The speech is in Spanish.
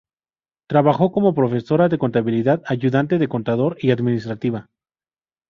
Trabajó como profesora de contabilidad, ayudante de contador y administrativa.